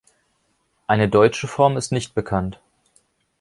Eine deutsche Form ist nicht bekannt.